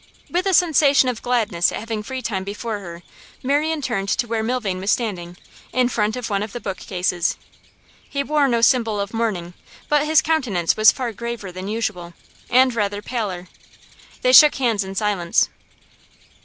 With a sensation of gladness at having free time before her, Marian turned to where Milvain was standing, in front of one of the bookcases. He wore no symbol of mourning, but his countenance was far graver than usual, and rather paler. They shook hands in silence.